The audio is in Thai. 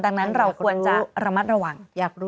ดังนั้นเราควรจะระมัดระวัง